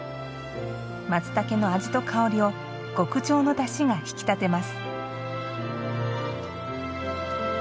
まつたけの味と香りを極上のだしが引き立てます。